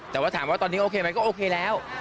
แต่ว่าถามว่าตอนนี้โอเคไหมก็โอเคแล้ว